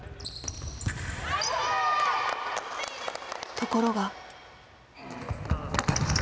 ところが。